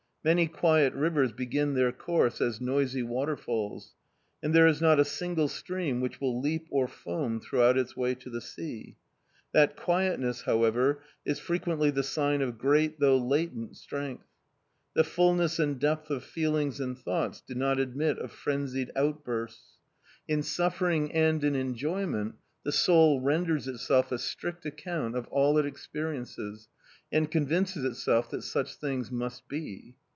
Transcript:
Many quiet rivers begin their course as noisy waterfalls, and there is not a single stream which will leap or foam throughout its way to the sea. That quietness, however, is frequently the sign of great, though latent, strength. The fulness and depth of feelings and thoughts do not admit of frenzied outbursts. In suffering and in enjoyment the soul renders itself a strict account of all it experiences and convinces itself that such things must be.